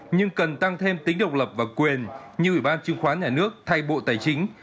nhưng cần tăng thêm tính độc lập và quyền như ủy ban chứng khoán nhà nước thay bộ tài chính